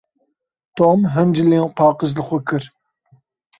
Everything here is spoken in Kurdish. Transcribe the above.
Tom hin cilên paqij li xwe kir.